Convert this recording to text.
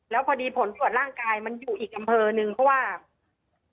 แล้วพอดีผลตรวจร่างกายมันอยู่อีกอำเภอนึงเพราะว่า